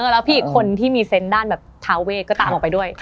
แล้วพี่อีกคนที่มีเซนต์ด้านแบบทาเวทก็ตามออกไปด้วย